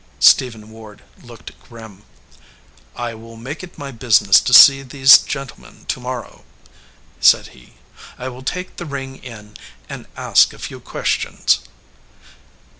Stephen Ward looked grim. "I will make it my business to see these gentlemen to morrow," said he. "I will take the ring in and ask a few ques tions."